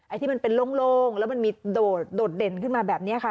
ที่มันเป็นโล่งแล้วมันมีโดดเด่นขึ้นมาแบบนี้ค่ะ